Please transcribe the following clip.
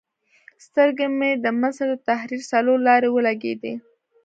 سترګې مې د مصر د تحریر څلور لارې ولګېدې.